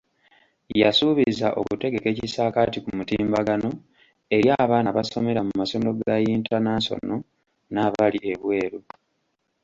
Yasuubiza okutegeka Ekisaakaate ku mutimbagano eri abaana abasomera mu masomero ga "Yintanansono" n'abali ebweru.